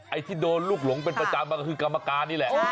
ไอ้ที่โดนลูกหลงเป็นประจำมันก็คือกรรมการนี่แหละ